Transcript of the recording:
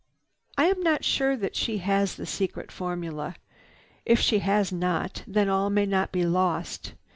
"I am not sure that she has the secret formula. If she has not, then all may not be lost.